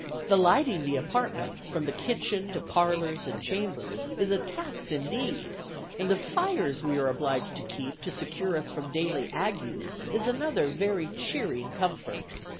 The lighting the apartments, from the kitchen to parlors and chambers, is a tax indeed; and the fires we are obliged to keep to secure us from daily agues is another very cheering comfort.